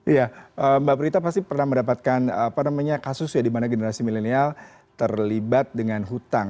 iya mbak prita pasti pernah mendapatkan kasus ya di mana generasi milenial terlibat dengan hutang